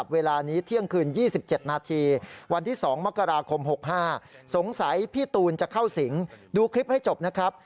วันที่๒มกราคม๖๕สงสัยพี่ตูนจะเข้าสิงดูคลิปให้จบนะครับ